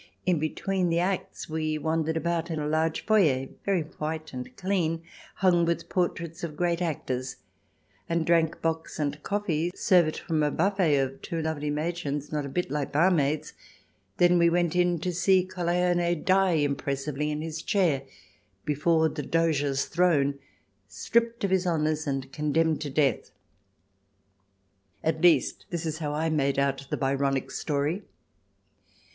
In between the acts we wandered about in a large foyer, very white and clean, hung with portraits of great actors, and drank bocks and coffee served from a buffet by two lovely Madchen not a bit like bar maids. Then we went in to see Colleone die impressively in his chair before the Doge's throne, stripped of his honours, and condemned to death. At least, this is how I made out the Byronic story.